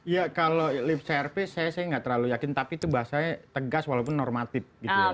ya kalau lip service saya nggak terlalu yakin tapi itu bahasanya tegas walaupun normatif